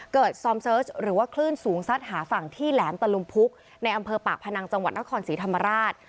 ซอมเซิร์ชหรือว่าคลื่นสูงซัดหาฝั่งที่แหลมตะลุมพุกในอำเภอปากพนังจังหวัดนครศรีธรรมราช